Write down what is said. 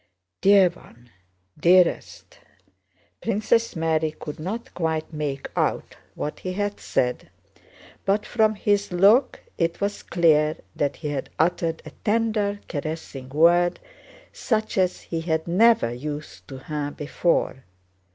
"Dear one... Dearest..." Princess Mary could not quite make out what he had said, but from his look it was clear that he had uttered a tender caressing word such as he had never used to her before.